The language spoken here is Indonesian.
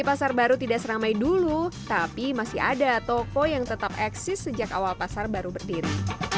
pasar baru tidak seramai dulu tapi masih ada toko yang tetap eksis sejak awal pasar baru berdiri